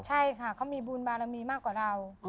ใช่ค่ะเขามีบุญบารมีมากกว่าเรา